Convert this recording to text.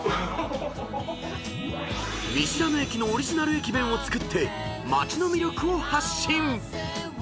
［見知らぬ駅のオリジナル駅弁を作って街の魅力を発信！］